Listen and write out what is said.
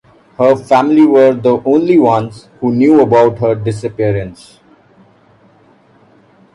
Her family were the only ones who knew about her disappearance.